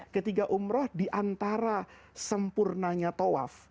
ketiga umroh diantara sempurnanya tawaf